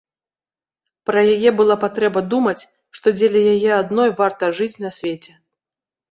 Пра яе была патрэба думаць, што дзеля яе адной варта жыць на свеце.